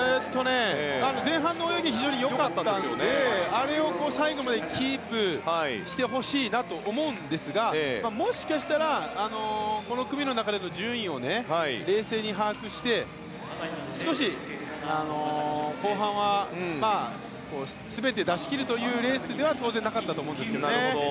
前半の泳ぎは非常に良かったのであれを最後までキープしてほしいと思うんですがもしかしたらこの組の中での順位を冷静に把握して、少し後半は全て出し切るというレースでは当然、なかったと思うんですけどね。